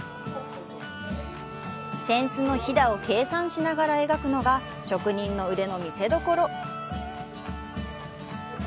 扇子のひだを計算しながら描くのが職人の腕の見せどころ。